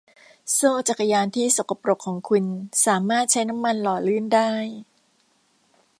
โซ่จักรยานที่สกปรกของคุณสามารถใช้น้ำมันหล่อลื่นได้